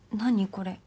これ。